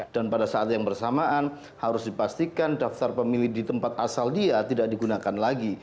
dan pada saat yang bersamaan harus dipastikan daftar pemilih di tempat asal dia tidak digunakan lagi